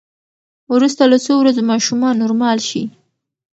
وروسته له څو ورځو ماشومان نورمال شي.